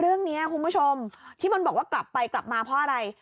คุณผู้ชมที่มันบอกว่ากลับไปกลับมาเพราะอะไร